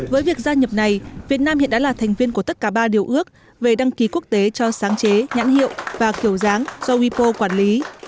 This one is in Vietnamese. với việc gia nhập này việt nam hiện đã là thành viên của tất cả ba điều ước về đăng ký quốc tế cho sáng chế nhãn hiệu và kiểu dáng do wipo quản lý